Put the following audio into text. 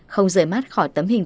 không rời mắt khỏi tấm hình tự nhiên